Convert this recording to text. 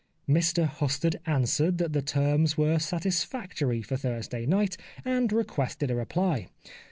Mr Husted answered that the terms were satisfactory for Thursday night, and requested a reply.